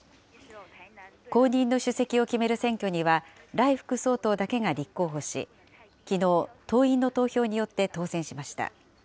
後任の主席を決める選挙には、頼副総統だけが立候補し、きのう、党員の投票によって当選しました。